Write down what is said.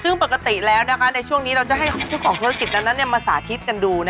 ซึ่งปกติแล้วในช่วงนี้เราจะให้เจ้าของธุรกิจนั้นมาสาธิตกันดู